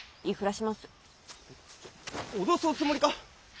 ちょ脅すおつもりか。